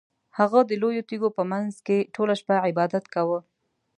هغه د لویو تیږو په مینځ کې ټوله شپه عبادت کاوه.